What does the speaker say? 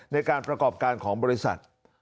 ในการประกอบการของบริษัท